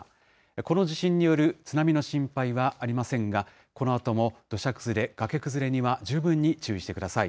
この地震による津波の心配はありませんが、このあとも土砂崩れ、崖崩れには十分に注意してください。